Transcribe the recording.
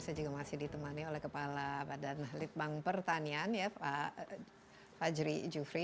saya juga masih ditemani oleh kepala badan litbang pertanian ya pak fajri jufri